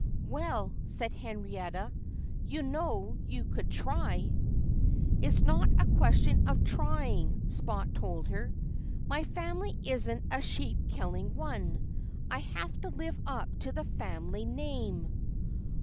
"Well," said Henrietta, "you know you could try." "It's not a question of trying," Spot told her. "My family isn't a sheep killing one. I have to live up to the family name."